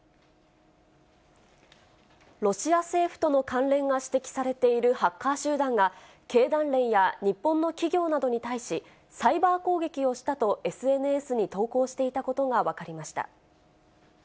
ロシア政府との関連が指摘されているハッカー集団が、経団連や日本の企業などに対し、サイバー攻撃をしたとＳＮＳに投稿していたことが分かりました。